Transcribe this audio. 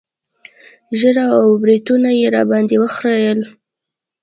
ږيره او برېتونه يې راباندې وخرييل.